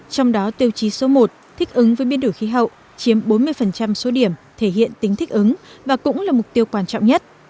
trong đó tiêu chí số một thích ứng với biến đổi khí hậu chiếm bốn mươi số điểm thể hiện tính thích ứng và cũng là mục tiêu quan trọng nhất